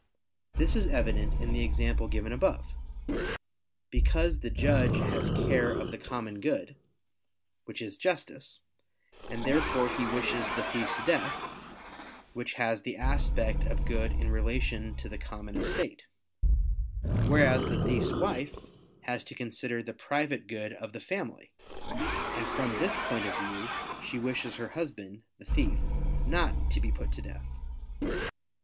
This is evident in the example given above: because the judge has care of the common good, which is justice, and therefore he wishes the thief's death, which has the aspect of good in relation to the common estate; whereas the thief's wife has to consider the private good of the family, and from this point of view she wishes her husband, the thief, not to be put to death.